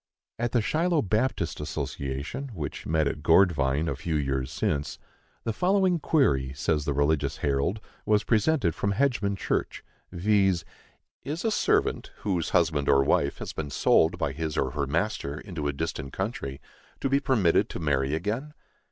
At the Shiloh Baptist Association, which met at Gourdvine, a few years since, the following query, says the Religious Herald, was presented from Hedgman church, viz: Is a servant, whose husband or wife has been sold by his or her master into a distant country, to be permitted to marry again?